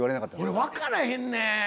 俺分からへんねん。